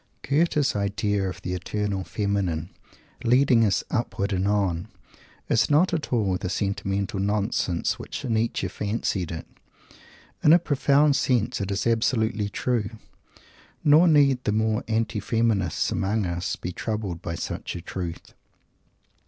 Goethe's idea of the "Eternal Feminine" leading us "upward and on" is not at all the sentimental nonsense which Nietzsche fancied it. In a profound sense it is absolutely true. Nor need the more anti feminist among us be troubled by such a Truth.